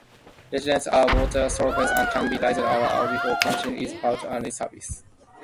Residues are water-soluble and can be rinsed out before plumbing is put into service.